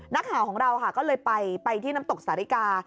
นักข่าวของเราค่ะก็เลยไปที่น้ำตกสาริกา